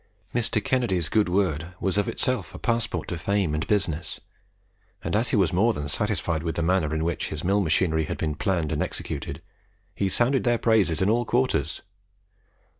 Mr. Kennedy's good word was of itself a passport to fame and business, and as he was more than satisfied with the manner in which his mill machinery had been planned and executed, he sounded their praises in all quarters.